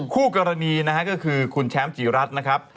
คู่กรณีนะฮะก็คือคุณแชมป์จีรัฐนะครับ